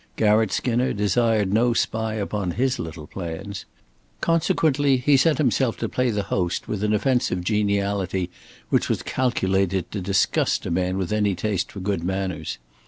Garratt Skinner desired no spy upon his little plans. Consequently he set himself to play the host with an offensive geniality which was calculated to disgust a man with any taste for good manners.